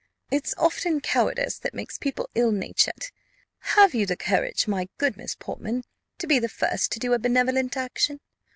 It's often cowardice that makes people ill natured: have you the courage, my good Miss Portman, to be the first to do a benevolent action?